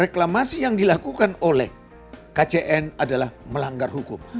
reklamasi yang dilakukan oleh kcn adalah melanggar hukum